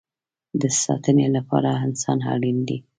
د ساتنې لپاره انسان اړین دی